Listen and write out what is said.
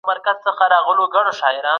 يو انسان په ټولني کي ښه ژوند کوي.